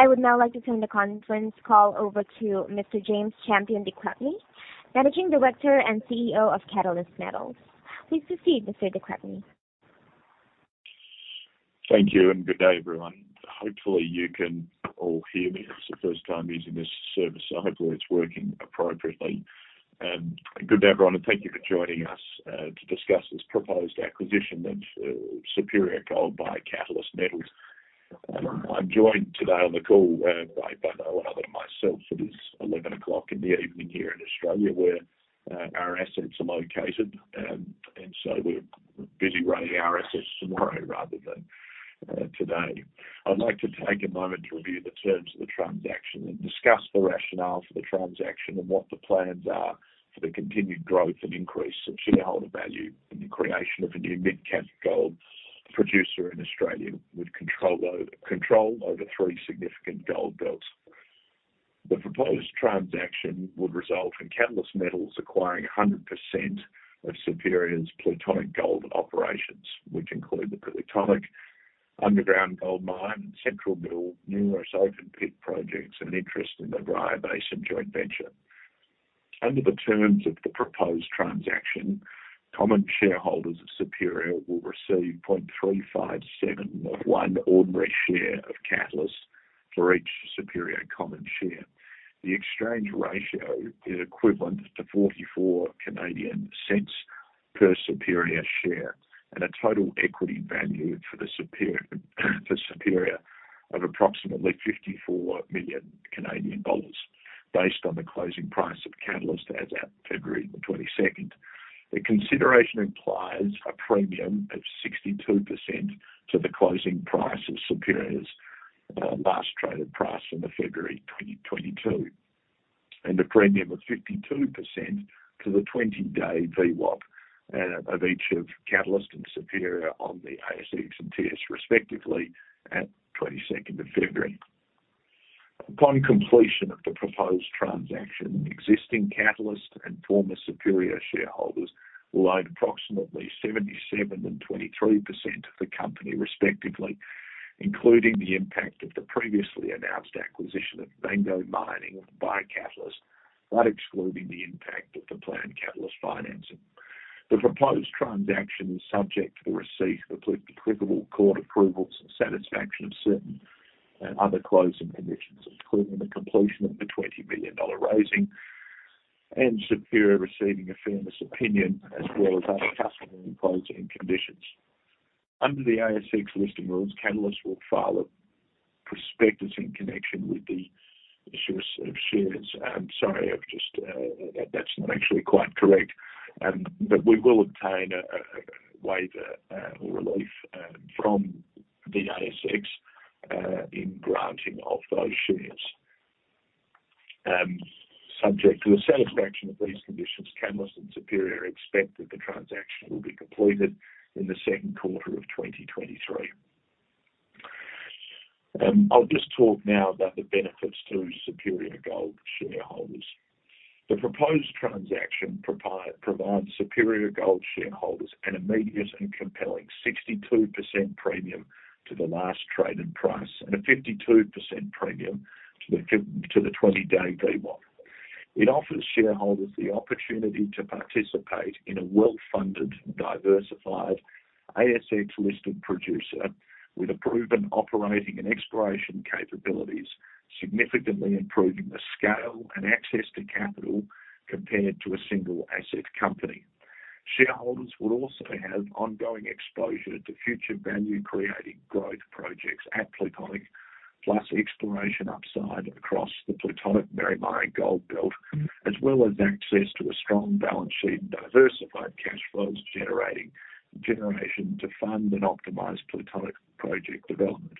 I would now like to turn the conference call over to Mr. James Champion de Crespigny, Managing Director and CEO of Catalyst Metals. Please proceed, Mr. de Crespigny. Thank you, and good day, everyone. Hopefully, you can all hear me. It's the first time using this service, so hopefully it's working appropriately. Good day, everyone, and thank you for joining us to discuss this proposed acquisition of Superior Gold by Catalyst Metals. I'm joined today on the call by no one other than myself. It is 11:00 in the evening here in Australia, where our assets are located. We're busy running our assets tomorrow rather than today. I'd like to take a moment to review the terms of the transaction and discuss the rationale for the transaction and what the plans are for the continued growth and increase of shareholder value in the creation of a new mid-cap gold producer in Australia with control over three significant gold belts. The proposed transaction would result in Catalyst Metals acquiring 100% of Superior's Plutonic Gold Operations, which include the Plutonic underground gold mine, central mill, numerous open pit projects and an interest in the Bryah Basin joint venture. Under the terms of the proposed transaction, common shareholders of Superior will receive 0.357 of one ordinary share of Catalyst for each Superior common share. The exchange ratio is equivalent to 0.44 per Superior share, and a total equity value for Superior of approximately 54 million Canadian dollars based on the closing price of Catalyst as at February 22nd. The consideration implies a premium of 62% to the closing price of Superior's last traded price on February 2022, and a premium of 52% to the 20-day VWAP of each of Catalyst and Superior on the ASX and TSX, respectively, at 22nd of February. Upon completion of the proposed transaction, existing Catalyst and former Superior shareholders will own approximately 77% and 23% of the company respectively, including the impact of the previously announced acquisition of Vango Mining by Catalyst, but excluding the impact of the planned Catalyst financing. The proposed transaction is subject to the receipt of applicable court approvals and satisfaction of certain other closing conditions, including the completion of the 20 billion dollar raising and Superior receiving a fairness opinion, as well as other customary closing conditions. Under the ASX listing rules, Catalyst will file a prospectus in connection with the issuance of shares. Sorry, I've just, that's not actually quite correct. We will obtain a waiver or relief from the ASX in granting of those shares. Subject to the satisfaction of these conditions, Catalyst and Superior expect that the transaction will be completed in the second quarter of 2023. I'll just talk now about the benefits to Superior Gold shareholders. The proposed transaction provides Superior Gold shareholders an immediate and compelling 62% premium to the last traded price and a 52% premium to the 20-day VWAP. It offers shareholders the opportunity to participate in a well-funded, diversified ASX-listed producer with proven operating and exploration capabilities, significantly improving the scale and access to capital compared to a single asset company. Shareholders will also have ongoing exposure to future value-creating growth projects at Plutonic, plus exploration upside across the Plutonic-Marymia Gold Belt, as well as access to a strong balance sheet and diversified cash flows generation to fund and optimize Plutonic project development.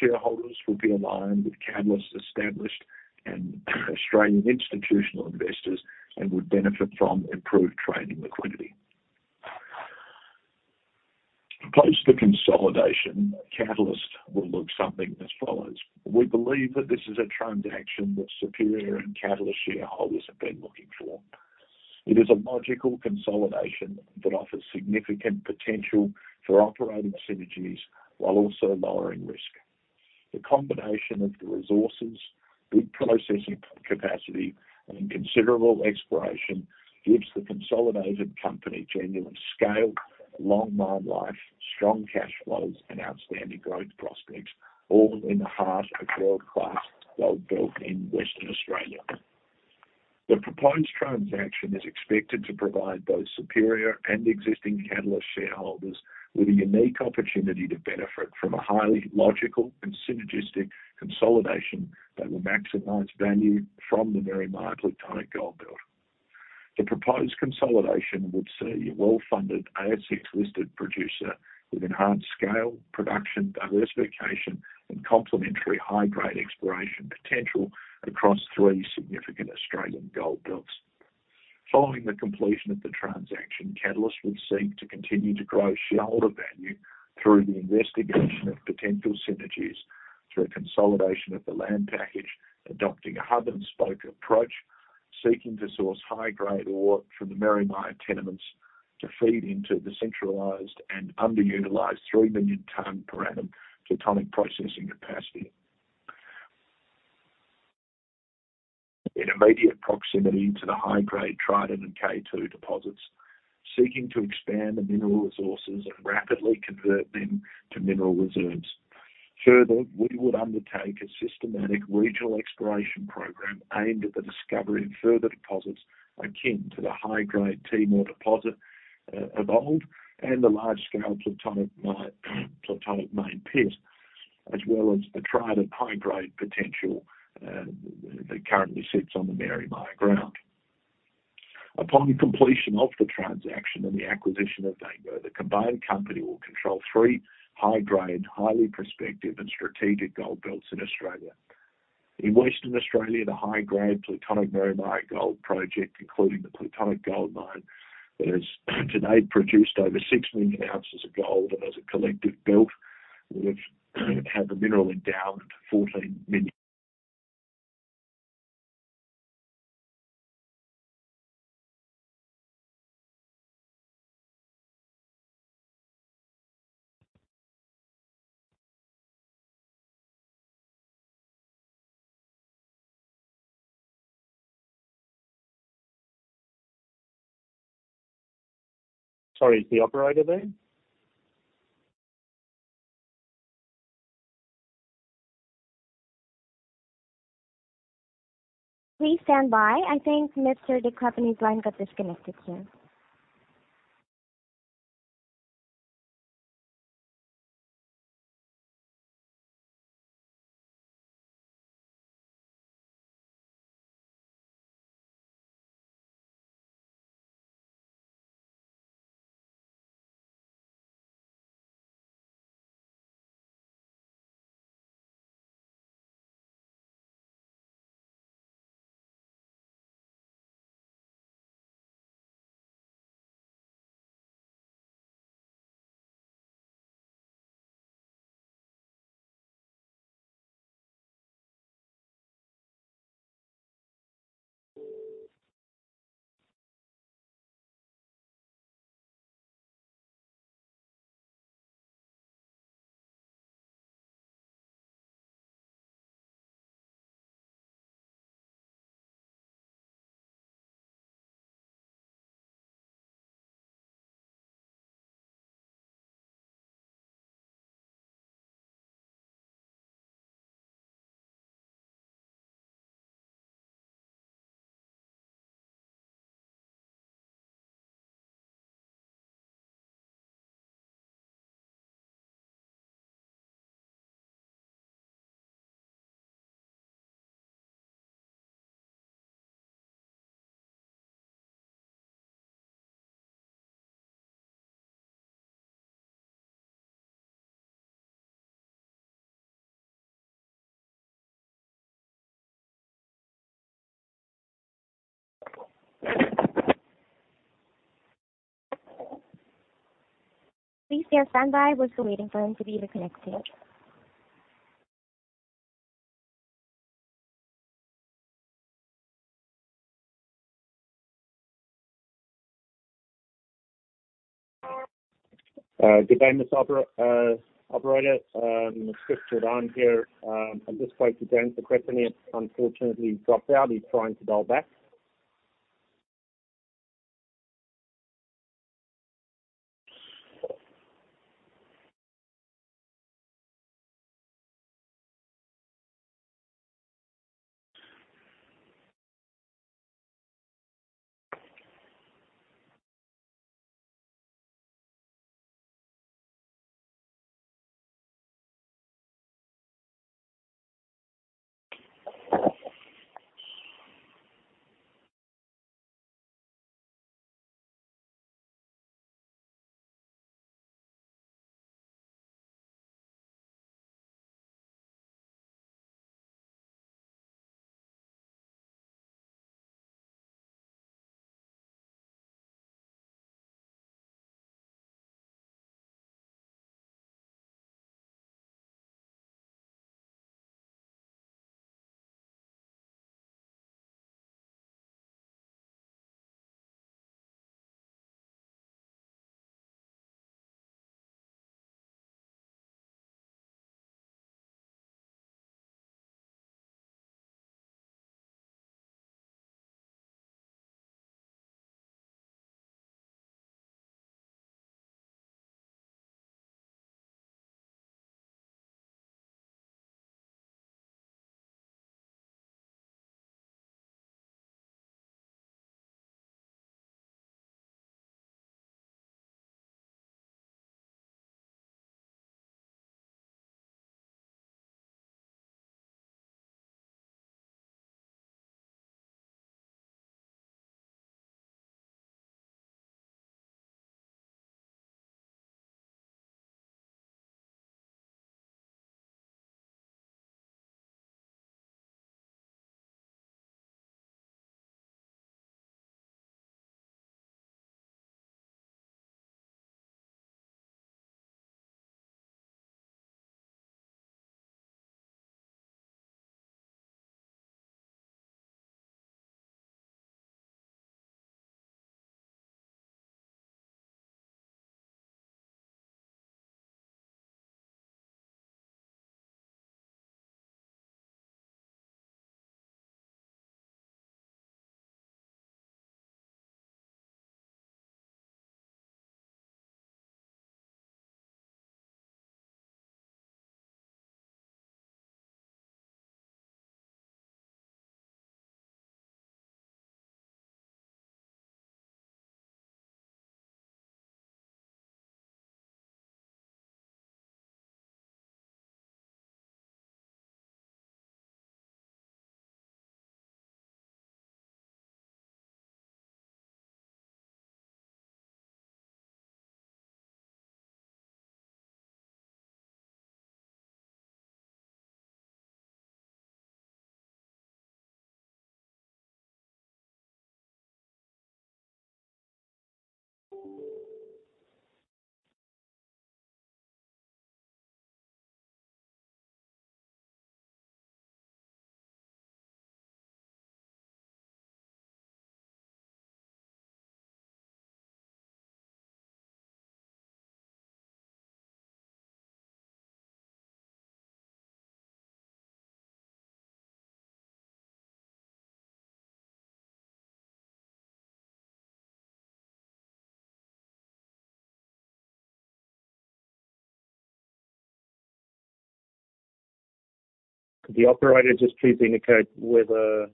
Shareholders will be aligned with Catalyst's established and Australian institutional investors and would benefit from improved trading liquidity. Post the consolidation, Catalyst will look something as follows. We believe that this is a transaction that Superior and Catalyst shareholders have been looking for. It is a logical consolidation that offers significant potential for operating synergies while also lowering risk. The combination of the resources, good processing capacity, and considerable exploration gives the consolidated company genuine scale, long mine life, strong cash flows, and outstanding growth prospects, all in the heart of world-class gold belt in Western Australia. The proposed transaction is expected to provide both Superior and existing Catalyst shareholders with a unique opportunity to benefit from a highly logical and synergistic consolidation that will maximize value from the Marymia Plutonic Gold Belt. The proposed consolidation would see a well-funded ASX-listed producer with enhanced scale, production diversification and complementary high-grade exploration potential across three significant Australian gold belts. Following the completion of the transaction, Catalyst would seek to continue to grow shareholder value through the investigation of potential synergies through a consolidation of the land package, adopting a hub-and-spoke approach, seeking to source high-grade ore from the Marymia tenements to feed into the centralized and underutilized 3 million tons per annum Plutonic processing capacity. In immediate proximity to the high-grade Trident and K2 deposits, seeking to expand the mineral resources and rapidly convert them to mineral reserves. Further, we would undertake a systematic regional exploration program aimed at the discovery of further deposits akin to the high-grade Timor deposit of old and the large-scale Plutonic Main Pit, as well as the Trident high-grade potential that currently sits on the Marymia ground. Upon completion of the transaction and the acquisition of Vango, the combined company will control three high-grade, highly prospective and strategic gold belts in Australia. In Western Australia, the high-grade Plutonic Marymia Gold Project, including the Plutonic Gold Mine that has to date produced over 6 million ounces of gold and as a collective belt would have, had the mineral endowment of 14 million. Sorry, is the operator there? Please stand by. I think Mr. de Crespigny's line got disconnected here. Please bear standby. We're still waiting for him to be reconnected. Good day, operator. It's Chris Jordaan here. I've just spoke to James de Crespigny. Unfortunately, he dropped out. He's trying to dial back. Could the operator just please indicate whether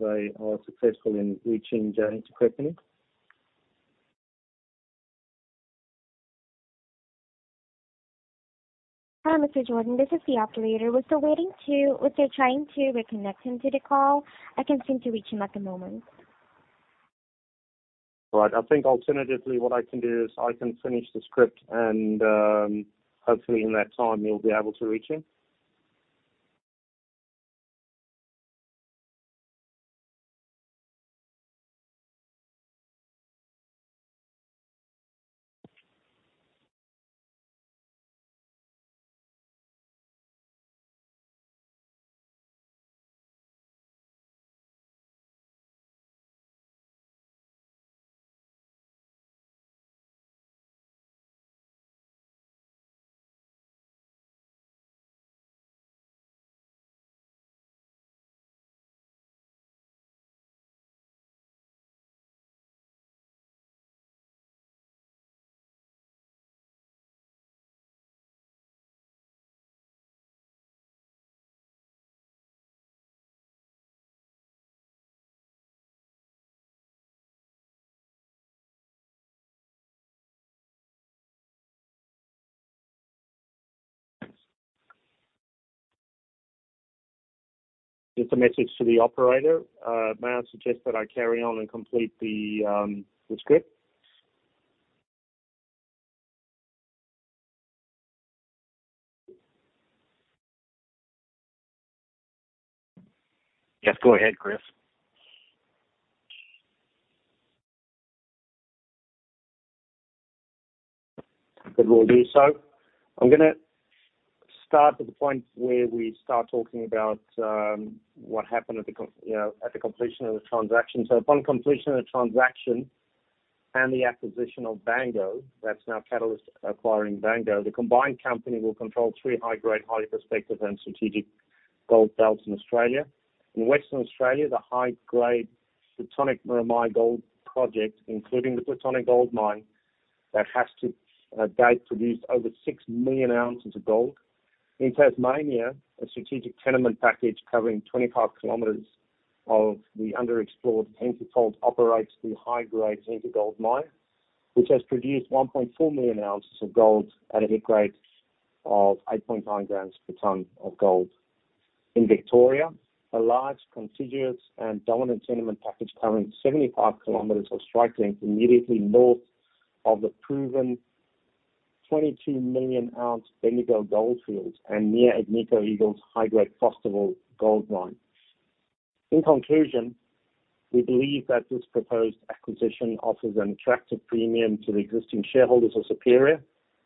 they are successful in reaching James Champion de Crespigny? Hi, Mr. Jordaan, this is the operator. We're still trying to reconnect him to the call. I can't seem to reach him at the moment. All right. I think alternatively what I can do is I can finish the script and, hopefully in that time you'll be able to reach him. Just a message to the operator. May I suggest that I carry on and complete the script? Yes, go ahead, Chris. We'll do so. I'm gonna start at the point where we start talking about, you know, at the completion of the transaction. Upon completion of the transaction and the acquisition of Vango, that's now Catalyst acquiring Vango. The combined company will control three high-grade, high perspective and strategic gold belts in Australia. In Western Australia, the high-grade Plutonic-Marymia Gold Project, including the Plutonic Gold Mine that has to date, produced over 6 million ounces of gold. In Tasmania, a strategic tenement package covering 25 kilometers of the under-explored Henty Fault operates the high-grade Henty Gold Mine, which has produced 1.4 million ounces of gold at a head grade of 8.9 grams per ton of gold. In Victoria, a large, contiguous and dominant tenement package covering 75 kilometers of strike length immediately north of the proven 22 million ounce Bendigo Goldfields and near Agnico Eagle's high-grade Fosterville Gold Mine. In conclusion, we believe that this proposed acquisition offers an attractive premium to the existing shareholders of Superior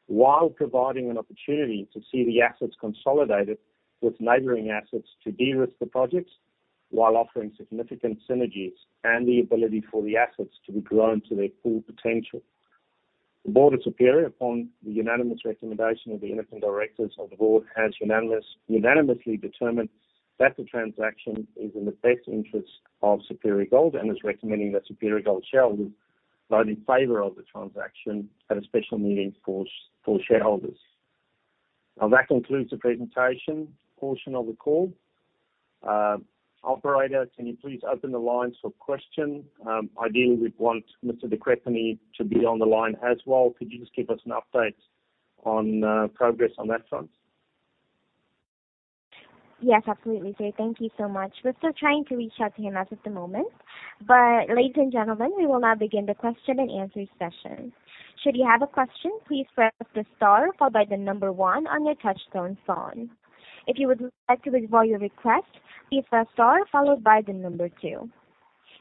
while providing an opportunity to see the assets consolidated with neighboring assets to de-risk the projects while offering significant synergies and the ability for the assets to be grown to their full potential. The board of Superior, upon the unanimous recommendation of the independent directors of the board, has unanimously determined that the transaction is in the best interest of Superior Gold and is recommending that Superior Gold shareholders vote in favor of the transaction at a special meeting for shareholders. Now, that concludes the presentation portion of the call. Operator, can you please open the lines for question? Ideally, we'd want Mr. de Crespigny to be on the line as well. Could you just give us an update on progress on that front? Yes, absolutely, sir. Thank you so much. We're still trying to reach out to him as at the moment. Ladies and gentlemen, we will now begin the question and answer session. Should you have a question, please press the star followed by the number one on your touchtone phone. If you would like to withdraw your request, please press star followed by the number two.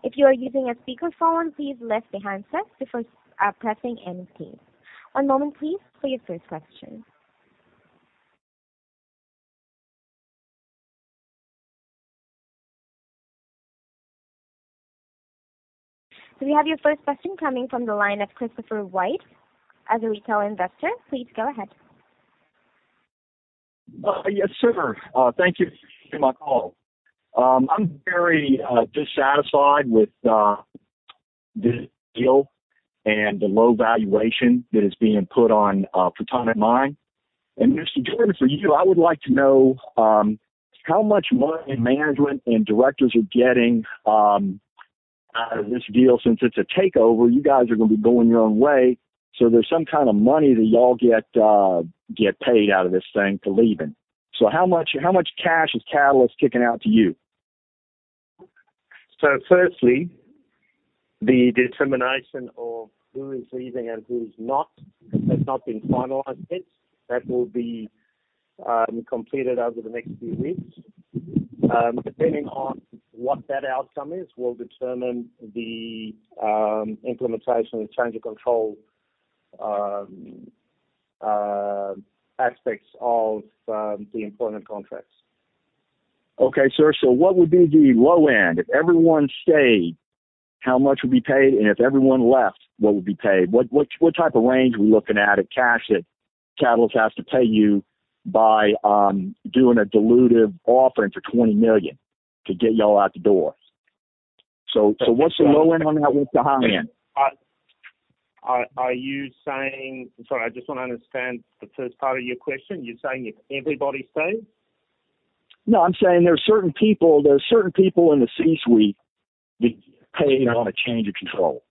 If you are using a speakerphone, please lift the handset before pressing any key. One moment please for your first question. We have your first question coming from the line of Christopher White as a retail investor. Please go ahead. Yes, sir. Thank you for taking my call. I'm very dissatisfied with this deal and the low valuation that is being put on Plutonic Mine. Mr. Jordaan, for you, I would like to know how much money management and directors are getting out of this deal, since it's a takeover, you guys are gonna be going your own way. There's some kind of money that y'all get paid out of this thing for leaving. How much cash is Catalyst kicking out to you? Firstly, the determination of who is leaving and who's not, has not been finalized yet. That will be completed over the next few weeks. Depending on what that outcome is, will determine the implementation and change of control aspects of the employment contracts. Okay, sir. What would be the low end? If everyone stayed, how much would be paid? If everyone left, what would be paid? What type of range are we looking at of cash that Catalyst has to pay you by doing a dilutive offering for 20 million to get y'all out the door? What's the low end on that, what's the high end? Sorry, I just wanna understand the first part of your question. You're saying if everybody stayed? I'm saying there are certain people in the C-suite getting paid on a change of control.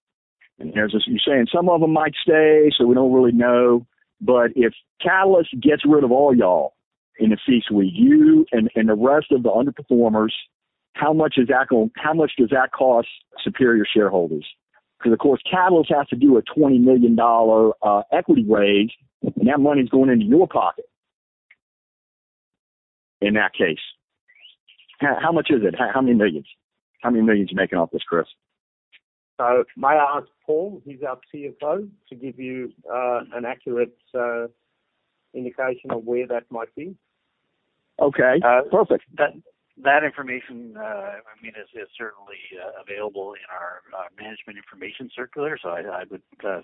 You're saying some of them might stay, we don't really know. If Catalyst gets rid of all y'all in the C-suite, you and the rest of the underperformers, how much does that cost Superior shareholders? Of course, Catalyst has to do a $20 million equity raise, that money's going into your pocket in that case. How much is it? How many millions? How many millions you making off this, Chris? May I ask Paul, he's our CFO, to give you an accurate indication of where that might be. Okay. Uh- Perfect. That information, I mean, is certainly available in our management information circular. I would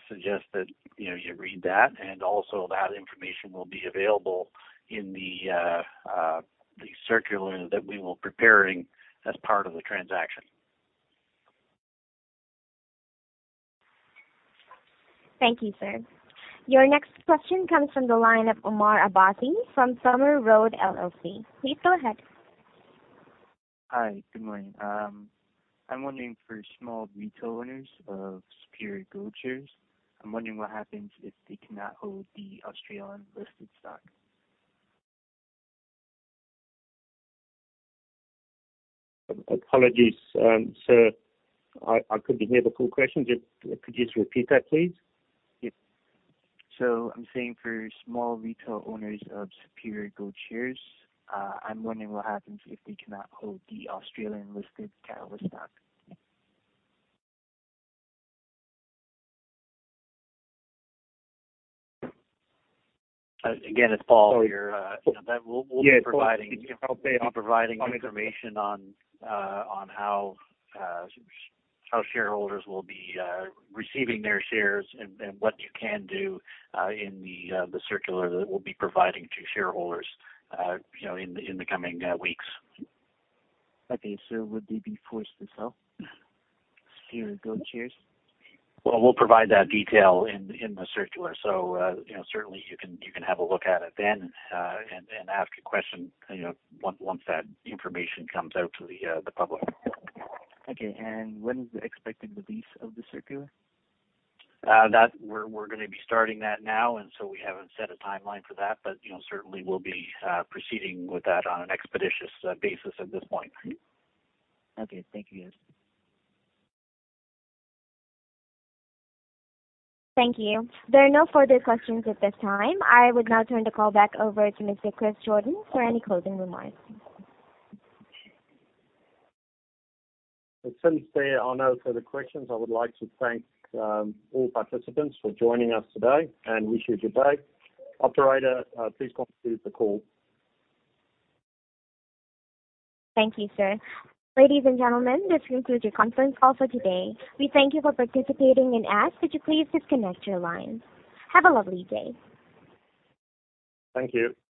suggest that, you know, you read that. Also that information will be available in the circular that we will preparing as part of the transaction. Thank you, sir. Your next question comes from the line of Umar Abbasi from Summer Road LLC. Please go ahead. Hi. Good morning. I'm wondering for small retail owners of Superior Gold shares, I'm wondering what happens if they cannot hold the Australian-listed stock? Apologies, sir, I couldn't hear the full question. Could you just repeat that, please? Yep. I'm saying for small retail owners of Superior Gold shares, I'm wondering what happens if they cannot hold the Australian-listed Catalyst stock. Again, it's Paul here. Oh. that we'll be. Yeah. We'll be providing information on how shareholders will be receiving their shares and what you can do in the circular that we'll be providing to shareholders, you know, in the coming weeks. Would they be forced to sell Superior Gold shares? We'll provide that detail in the circular, you know, certainly you can have a look at it then, and ask a question, you know, once that information comes out to the public. Okay. When is the expected release of the circular? That we're gonna be starting that now, and so we haven't set a timeline for that. You know, certainly we'll be proceeding with that on an expeditious basis at this point. Okay. Thank you. Thank you. There are no further questions at this time. I would now turn the call back over to Mr. Chris Jordaan for any closing remarks. Since there are no further questions, I would like to thank all participants for joining us today and wish you good day. Operator, please conclude the call. Thank you, sir. Ladies and gentlemen, this concludes your conference call for today. We thank you for participating and ask that you please disconnect your lines. Have a lovely day. Thank you.